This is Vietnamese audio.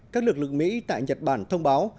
các lực lượng mỹ tại nhật bản thông báo